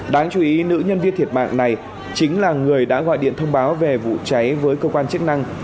đáng chú ý nữ nhân viên thiệt mạng này chính là người đã gọi điện thông báo về vụ cháy với cơ quan chức năng